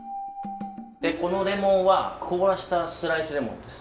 このレモンは凍らせたスライスレモンです。